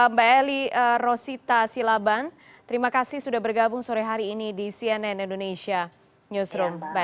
mbak eli rosita silaban terima kasih sudah bergabung sore hari ini di cnn indonesia newsroom